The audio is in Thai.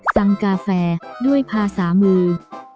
สั่งกาแฟด้วยภาษามือ